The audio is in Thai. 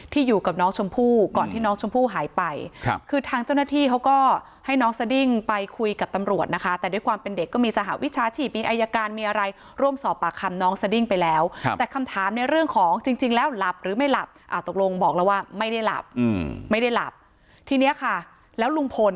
อยู่กับน้องชมพู่ก่อนที่น้องชมพู่หายไปครับคือทางเจ้าหน้าที่เขาก็ให้น้องสดิ้งไปคุยกับตำรวจนะคะแต่ด้วยความเป็นเด็กก็มีสหวิชาชีพมีอายการมีอะไรร่วมสอบปากคำน้องสดิ้งไปแล้วแต่คำถามในเรื่องของจริงแล้วหลับหรือไม่หลับตกลงบอกแล้วว่าไม่ได้หลับไม่ได้หลับทีเนี้ยค่ะแล้วลุงพล